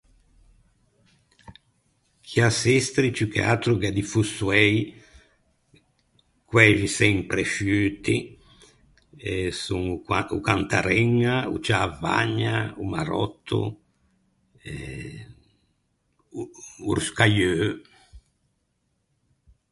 Chì à Sestri ciù che atro gh’é di fossoei, quæxi sempre sciuti e son o Qua- o Cantareña o Ciävagna, o Maròtto e o o Roscaieu.